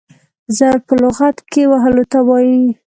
ضرب په لغت کښي وهلو ته وايي.